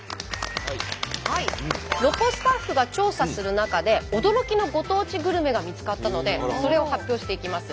ロコスタッフが調査する中で驚きのご当地グルメが見つかったのでそれを発表していきます。